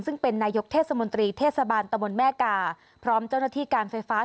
ซึ่งเป็นนายกเทศมนตรีเทศบาลตะบนแม่กาพร้อมเจ้าหน้าที่การไฟฟ้า